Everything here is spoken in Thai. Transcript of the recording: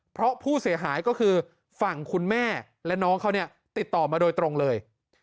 เพราะผู้เสียหายก็คือฝั่งคุณแม่และน้องเขาเนี่ยติดต่อมาโดยตรงเลย